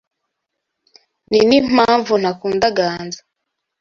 Ninimpamvu ntakunda Ganza.